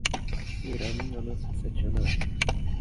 Irán no nos ha hecho nada".